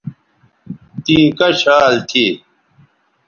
تیں کش حال تھی